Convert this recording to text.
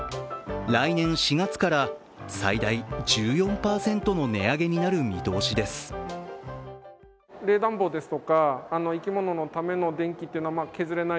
来年４月から最大１４％も値上げになる見通しです。